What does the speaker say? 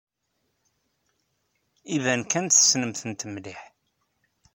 Iban kan tessnemt-tent mliḥ.